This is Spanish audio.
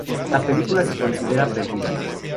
La película se considera perdida.